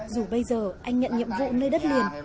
dù bây giờ anh nhận nhiệm vụ nơi đất liền